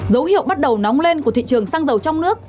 dấu hiệu bắt đầu nóng lên của thị trường xăng dầu trong nước